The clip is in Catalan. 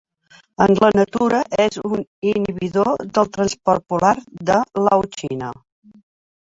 En la natura és un inhibidor del transport polar de l'auxina.